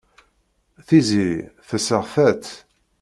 Tiziri tesseɣta-tt.